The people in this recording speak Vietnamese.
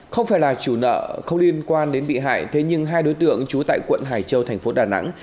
không phải là chủ nợ không liên quan đến bị hại thế nhưng hai đối tượng trú tại quận hải châu thành phố đà nẵng